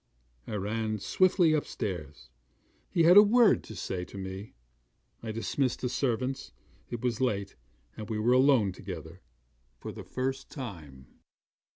I ran swiftly upstairs. He had a word to say to me. I dismissed the servants. It was late, and we were alone together for the first time.